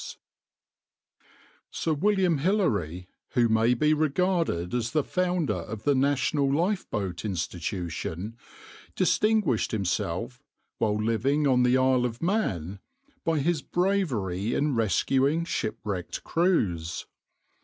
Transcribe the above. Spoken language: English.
\par \vs {\noindent} Sir William Hillary, who may be regarded as the founder of the National Lifeboat Institution, distinguished himself, while living on the Isle of Man, by his bravery in rescuing shipwrecked crews.